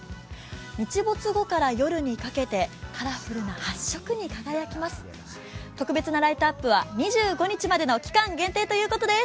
日没後から夜にかけてカラフルな８色に輝きます。